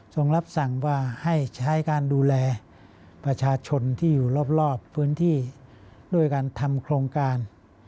รับสั่งว่าให้ใช้การดูแลประชาชนที่อยู่รอบพื้นที่ด้วยการทำโครงการ